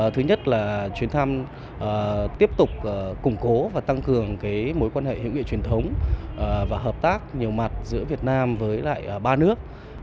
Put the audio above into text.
thứ nhất là chuyến thăm tiếp tục củng cố và tăng cường mối quan hệ hữu nghị truyền thống và hợp tác nhiều mặt giữa việt nam với lại ba nước